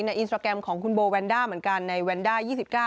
อินสตราแกรมของคุณโบแวนด้าเหมือนกันในแวนด้า๒๙